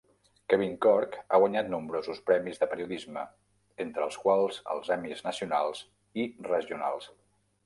Kevin Corke ha guanyat nombrosos premis de periodisme, entre els quals els Emmys nacionals i regionals.